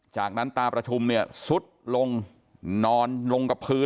จากนั้นตาประชุมเนี่ยซุดลงนอนลงกับพื้น